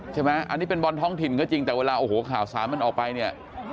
ใช่ไหมอันนี้เป็นบอลท้องถิ่นก็จริงแต่เวลาโอ้โหข่าวสารมันออกไปเนี่ย